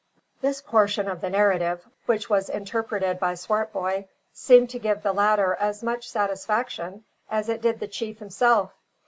This portion of the narrative, which was interpreted by Swartboy, seemed to give the latter as much satisfaction as it did the chief himself.